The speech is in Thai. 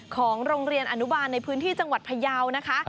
ของโรงเรียนอนุบาลในพื้นที่จังหวัดพยาวนะคะ